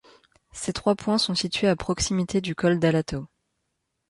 Ces trois points sont situés à proximité du col d'Alataw.